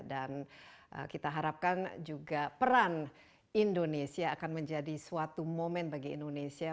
dan kita harapkan juga peran indonesia akan menjadi suatu momen bagi indonesia